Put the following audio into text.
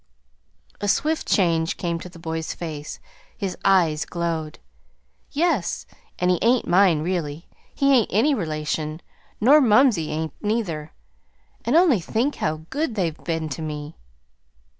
A swift change came to the boy's face. His eyes glowed. "Yes and he ain't mine, really. He ain't any relation, nor mumsey ain't, neither. And only think how good they've been to me!"